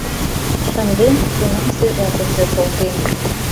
Шындем, тунамсе жапым пӧртылтен.